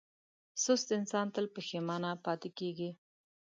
سست انسان تل پښېمانه پاتې کېږي.